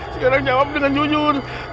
sekarang jawab dengan jujur